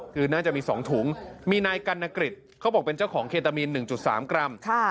คือน่าจะมี๒ถุงมีนายกัณกฤษเขาบอกเป็นเจ้าของเคตามีน๑๓กรัม